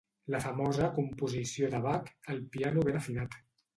La famosa composició de Bach, "El piano ben afinat".